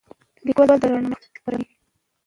لیکوال دا رڼا خپروي.